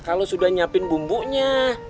kalau sudah nyiapin bumbunya